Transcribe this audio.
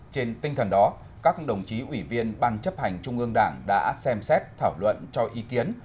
trên tinh thần đó các đồng chí ủy viên ban chấp hành trung ương đảng đã xem xét thảo luận cho ý kiến